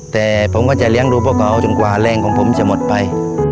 แต่ผมก็จะเลี้ยงดูพวกเขาจนกว่าแรงของผมจะหมดไป